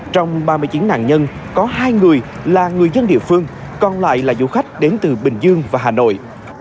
trong ba mươi chín nạn nhân có hai người là người dân địa phương còn lại là du khách đến từ bình dương và hà nội